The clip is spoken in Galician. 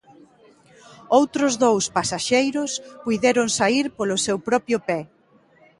Outros dous pasaxeiros puideron saír polo seu propio pé.